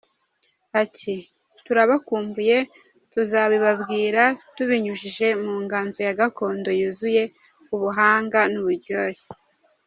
Ati “Turabakumbuye, tuzabibabwira tubinyujije mu nganzo ya Gakondo yuzuye ubuhanga n’uburyohe.